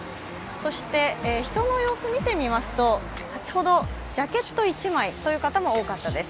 そして人の様子を見てみますと、先ほど、ジャケット１枚という人も多かったです。